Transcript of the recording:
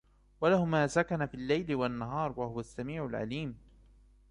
وَلَهُ مَا سَكَنَ فِي اللَّيْلِ وَالنَّهَارِ وَهُوَ السَّمِيعُ الْعَلِيمُ